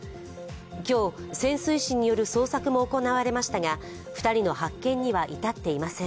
今日、潜水士による捜索も行われましたが、２人の発見には至っていません。